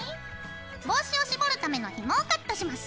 帽子を絞るためのひもをカットします。